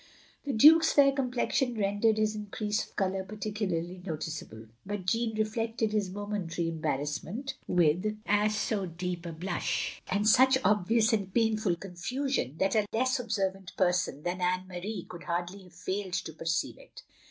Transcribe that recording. " The Duke's fair complexion rendered his increase of colour particularly noticeable. But Jeanne reflected his momentary embarrassment with as 354 THE LONELY LADY so deep a blush, and such obvious and painful confusion, that a less observant person than Anne Marie could hardly have failed to perceive it.